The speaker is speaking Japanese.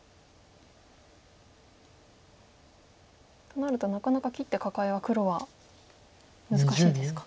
となるとなかなか切ってカカエは黒は難しいですか。